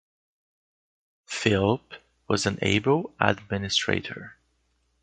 Philp was an able administrator.